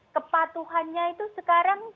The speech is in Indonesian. kepatuhannya itu sekarang